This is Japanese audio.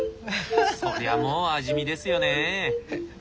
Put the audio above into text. そりゃもう味見ですよね。